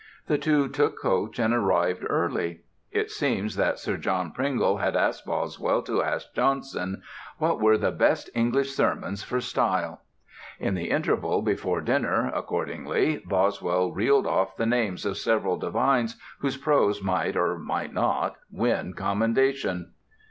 The two took coach and arrived early. It seems that Sir John Pringle had asked Boswell to ask Johnson "what were the best English sermons for style." In the interval before dinner, accordingly, Boswell reeled off the names of several divines whose prose might or might not win commendation.